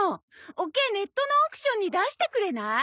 おケイネットのオークションに出してくれない？